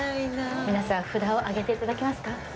皆さん札をあげていただけますか？